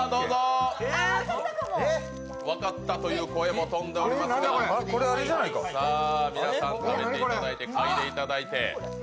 分かったという声も飛んでおりますがさあ、皆さん食べていただいて、書いていただいて。